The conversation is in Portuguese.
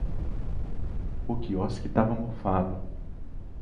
O quiosque tava mofado